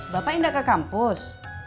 bapak indah ke kampus